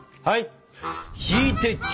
はい！